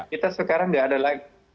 kita sekarang tidak ada lagi